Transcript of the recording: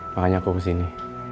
makanya aku kesini